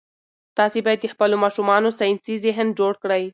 تاسي باید د خپلو ماشومانو ساینسي ذهن جوړ کړئ.